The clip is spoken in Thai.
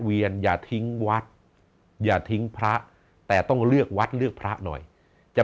อย่าทิ้งวัดอย่าทิ้งพระแต่ต้องเลือกวัดเลือกพระหน่อยจะ